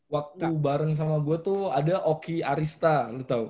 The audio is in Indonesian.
waktu bareng sama gue tuh ada oki arista lu tau tau